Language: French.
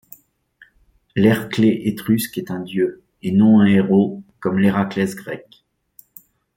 L'Herclé étrusque est un dieu, et non un héros, comme l'Héraklès grec.